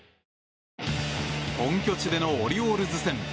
本拠地でのオリオールズ戦。